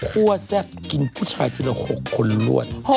แซ่บกินผู้ชายทีละ๖คนรวด